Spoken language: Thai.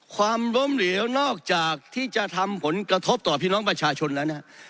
ความล้มเหลวนอกจากที่จะทำผลกระทบต่อพี่น้องประชาชนแล้วเนี่ย